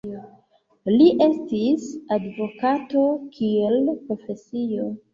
Li estis advokato kiel profesio.